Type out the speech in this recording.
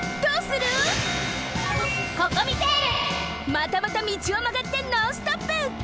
またまた道をまがってノンストップ！